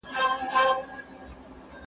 ولې نجونې محرومې دي؟